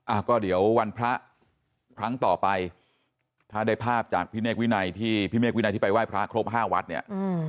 อ่าก็เดี๋ยววันพระครั้งต่อไปถ้าได้ภาพจากพิเมกวินัยที่ไปไหว้พระครบ๕วัดเนี่ย